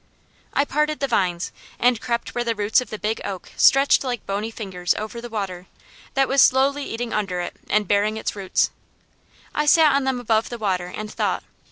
I parted the vines and crept where the roots of the big oak stretched like bony fingers over the water, that was slowly eating under it and baring its roots. I sat on them above the water and thought.